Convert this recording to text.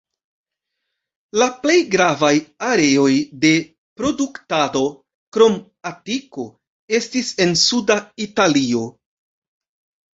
La plej gravaj areoj de produktado, krom Atiko, estis en Suda Italio.